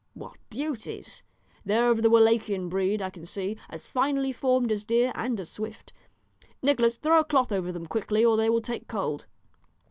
"What beauties! They are of the Wallachian breed, I can see, as finely formed as deer, and as swift. Nicholas, throw a cloth over them quickly, or they will take cold."